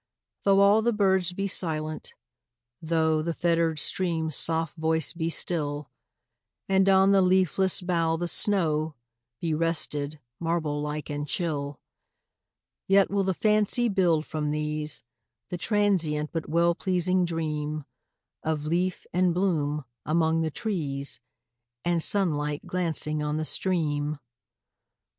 Though all the birds be silent,—thoughThe fettered stream's soft voice be still, And on the leafless bough the snowBe rested, marble like and chill,—Yet will the fancy build, from these, The transient but well pleasing dreamOf leaf and bloom among the trees, And sunlight glancing on the stream.